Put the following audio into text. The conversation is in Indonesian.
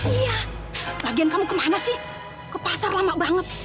iya lagian kamu ke mana sih ke pasar lama banget